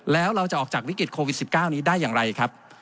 แล้วเราจะออกจากวิกฤตโควิด๑๙นี้ได้อย่างไรครับ